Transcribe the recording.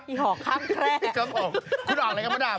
พี่ห่อครับแคลร์ครับผมคุณออกเลยครับพระดำ